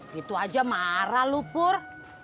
gitu aja marah lu pur